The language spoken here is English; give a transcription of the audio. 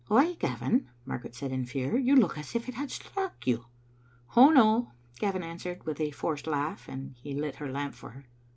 "Why, Gavin," Margaret said in fear, "you look as if it had struck you." "Oh, no," Gavin answered, with a forced laugh, and he lit her lamp for her.